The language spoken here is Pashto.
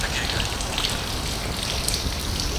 تفریح هم پکار ده خو حد لري.